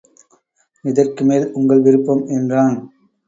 இதற்குமேல் உங்கள் விருப்பம் என்றான்.